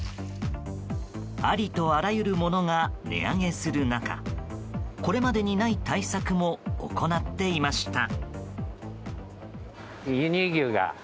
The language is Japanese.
ありとあらゆるものが値上げする中これまでにない対策も行っていました。